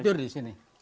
betul di sini